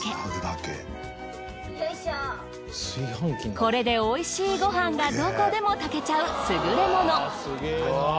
これでおいしいご飯がどこでも炊けちゃう優れ物。